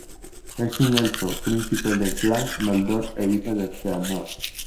Es un elfo, príncipe del clan Noldor e hijo de Fëanor.